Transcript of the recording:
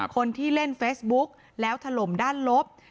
คนที่เล่นเฟซบุ๊กแล้วถล่มด้านลบ